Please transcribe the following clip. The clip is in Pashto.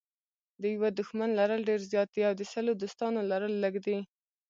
د یوه دښمن لرل ډېر زیات دي او د سلو دوستانو لرل لږ دي.